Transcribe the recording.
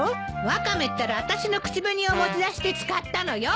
ワカメったら私の口紅を持ち出して使ったのよ。